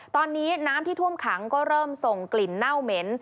ตอนนี้น้ำที่ท่วมขังก็เริ่มส่งกลิ่นเน่าเหม็น